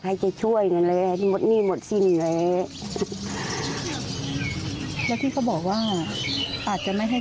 ฟังเสียงคุณยายหน่อยครับ